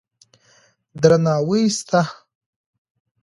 درناوی سته.